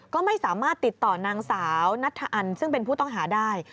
ก็ไม่สามารถติดต่อนางสาวนัทธอันซึ่งเป็นผู้ต้องหาได้